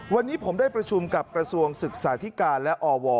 วันนี้ผมได้ประชุมกับกระทรวงศึกษาธิการและอว